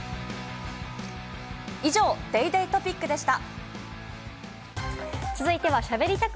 以上、ＤａｙＤａｙ．トピックでした。